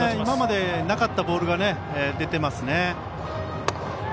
今までなかったボールが出ていますね。